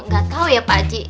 gak tau ya pakcik